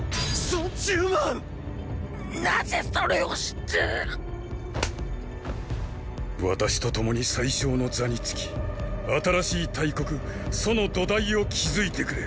三十万⁉なぜそれを知って私と共に宰相の座につき新しい大国楚の土台を築いてくれ燐！！